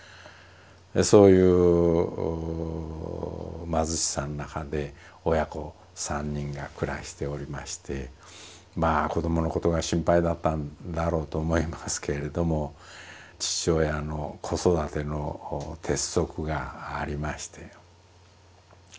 そういう貧しさの中で親子３人が暮らしておりましてまあ子どものことが心配だったんだろうと思いますけれども父親の子育ての鉄則がありまして。